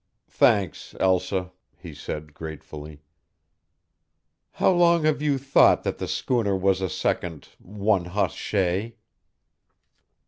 "Thanks, Elsa," he said, gratefully. "How long have you thought that the schooner was a second 'one hoss shay'?"